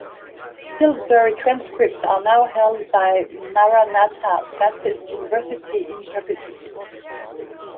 Pillsbury's transcripts are now held by Maranatha Baptist University in perpetuity.